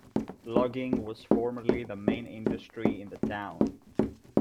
Logging was formerly the main industry in the town.